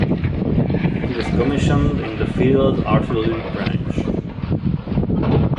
He was commissioned in the Field Artillery Branch.